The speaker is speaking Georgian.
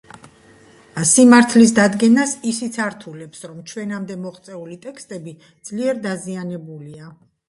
სიმართლის დადგენას ისიც ართულებს რომ ჩვენამდე მოღწეული ტექსტები ძლიერ დაზიანებულია.